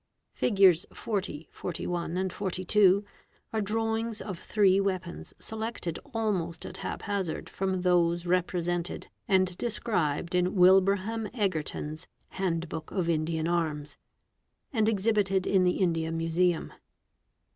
Fig. 40, 41, 42, are drawings of three weapons selected almost at hap hazard from those represented and described in Wilbraham Egerton's 'Handbook of Indian Arms," " and exhibited in the India Museum.